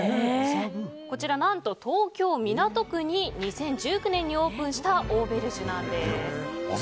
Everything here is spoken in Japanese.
こちら、何と東京・港区に２０１９年にオープンしたオーベルジュなんです。